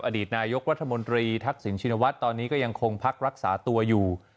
อดีตนายกรัฐมนตรีทักษิณชินวัฒน์ตอนนี้ก็ยังคงพักรักษาตัวอยู่